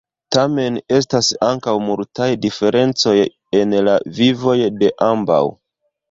Tamen, estas ankaŭ multaj diferencoj en la vivoj de ambaŭ.